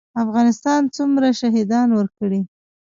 افغانستان څومره شهیدان ورکړي؟